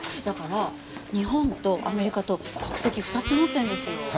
だから日本とアメリカと国籍２つ持ってるんですよ。